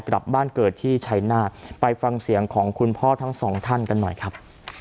กลับบ้านเกิดที่ชัยนาธไปฟังเสียงของคุณพ่อทั้งสองท่านกันหน่อยครับ